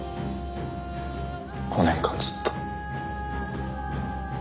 ５年間ずっと。